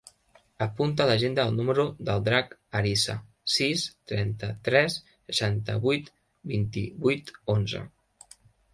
Apunta a l'agenda el número del Drac Ariza: sis, trenta-tres, seixanta-vuit, vint-i-vuit, onze.